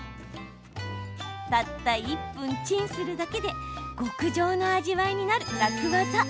たった１分チンするだけで極上の味わいになる楽ワザ。